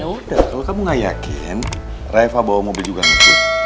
yaudah kalau kamu gak yakin reva bawa mobil juga ngebut